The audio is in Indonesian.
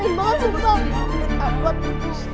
cinta jadi orang